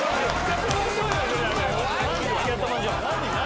何？